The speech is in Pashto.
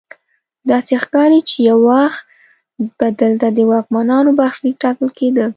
داسې ښکاري چې یو وخت به دلته د واکمنانو برخلیک ټاکل کیده.